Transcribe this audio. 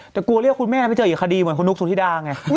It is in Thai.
แต่กลัวเรียกคุณแม่ไม่เจออีกคดีเหมือนคุณนุ๊กสุธิดาไง